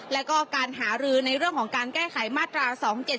แล้วก็การหารือในเรื่องของการแก้ไขมาตรา๒๗๒